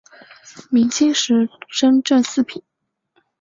明清时升正四品。